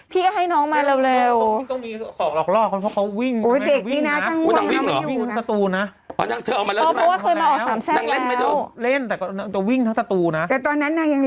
ต้องดูนังก่อนนอนนะ